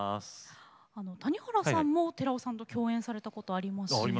谷原さんも寺尾さんと共演されたことありますよね。